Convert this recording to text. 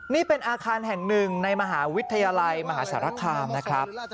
นี่เป็นอาคารแห่งหนึ่งในมหาวิทยาลัยมหาสารคามนะครับ